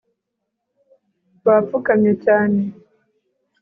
bapfukamye cyane